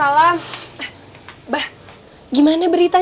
kalo kamu main accelerate